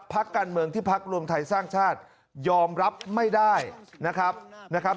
พักการเมืองที่พักรวมไทยสร้างชาติยอมรับไม่ได้นะครับนะครับ